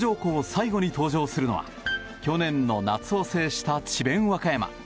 最後に登場するのは去年の夏を制した智弁和歌山。